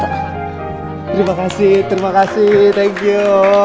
terima kasih terima kasih thank you